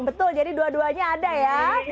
betul jadi dua duanya ada ya